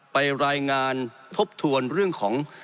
ไปรายงานทบทวนเรื่องของ